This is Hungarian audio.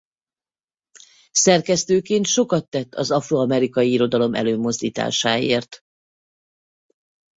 Szerkesztőként sokat tett az afro-amerikai irodalom előmozdításáért.